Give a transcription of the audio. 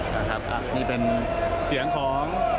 นะครับนี่เป็นเสียงของ